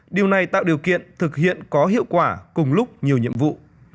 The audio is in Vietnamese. điều này tạo điều kiện thực hiện có hiệu quả cùng lúc nhiều nhiệm vụ